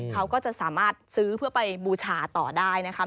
เขาก็จะสามารถซื้อเพื่อไปบูชาต่อได้นะครับ